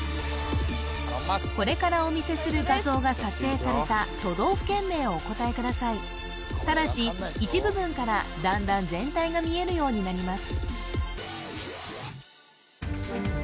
これからお見せする画像が撮影された都道府県名をお答えくださいただし一部分から段々全体が見えるようになります